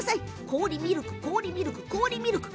氷、ミルク、氷、ミルク氷、ミルク